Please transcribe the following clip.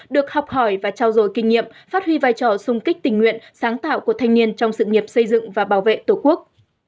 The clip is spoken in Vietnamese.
được học hỏi và trao dồi kinh nghiệm phát huy vai trò xung kích tình nguyện sáng tạo của thanh niên trong sự nghiệp xây dựng và bảo vệ tổ quốc